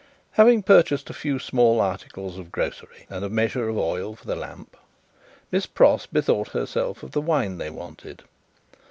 Having purchased a few small articles of grocery, and a measure of oil for the lamp, Miss Pross bethought herself of the wine they wanted.